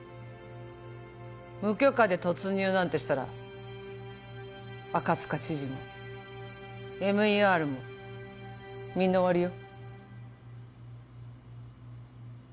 無許可で突入なんてしたら赤塚知事もＭＥＲもみんな終わりよ